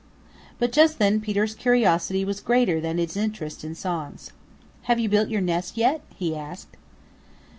But just then Peter's curiosity was greater than his interest in songs. "Have you built your nest yet?" he asked.